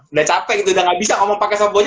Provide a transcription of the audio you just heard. udah capek gitu udah gak bisa ngomong pake sop buah aja